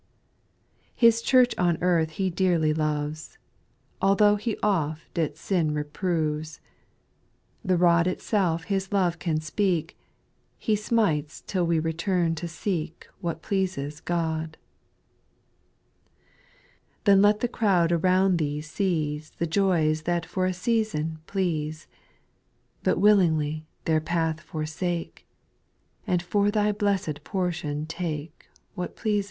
6. His church on earth He dearly loves, Altho' He oft its sin reproves, The rod itself His love can speak. He smites till we return to seek What pleases God. 7. Then let the crowd around thee seize The joys that for a season please. But willingly their path forsake^ And for thy blessed poT^oxi \si>8A What \Aea.^e«.